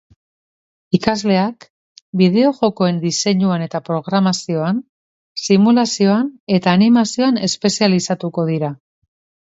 Ikasleak bideojokoen diseinuan eta programazioan, simulazioan eta animazioan espezializatuko dira.